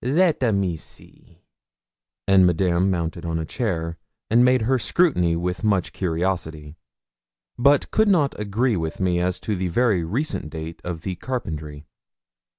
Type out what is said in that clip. Late a me see.' And Madame mounted on a chair, and made her scrutiny with much curiosity, but could not agree with me as to the very recent date of the carpentry.